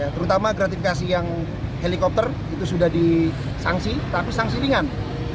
terutama gratifikasi yang helikopter itu sudah disangsi tapi sanksi ringan